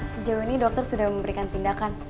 sejauh ini dokter sudah memberikan tindakan